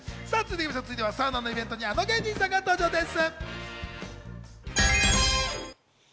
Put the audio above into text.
続いてはサウナのイベントにあの芸人さんが登場です。